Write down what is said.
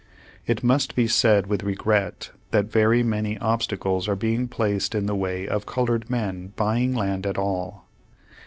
It must be said with regret that very many obstacles are being placed in the way of colored men buying land at all.